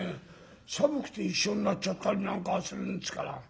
寒くて一緒になっちゃったりなんかするんですから。